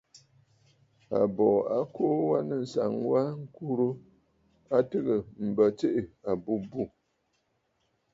Àbòò a kuu wa nɨ̂ ànsaŋ wa ŋkurə a tɨgə̀ m̀bə tsiʼì àbûbû.